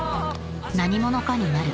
「何者かになる」